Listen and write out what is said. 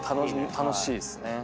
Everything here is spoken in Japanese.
楽しいっすね。